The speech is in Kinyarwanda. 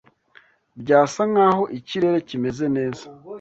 Byasa nkaho ikirere kimeze neza.